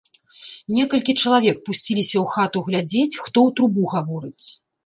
Некалькі чалавек пусціліся ў хату глядзець, хто ў трубу гаворыць.